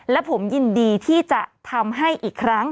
และผมยินดีที่จะทำให้อีกครั้ง